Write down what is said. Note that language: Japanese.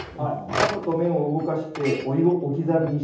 カップと麺を動かしてお湯を置き去りにして落とす。